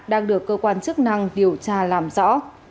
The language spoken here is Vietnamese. đang được cơ quan chức năng điều tra làm rõ